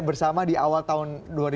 bersama di awal tahun dua ribu delapan belas